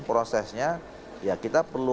prosesnya ya kita perlu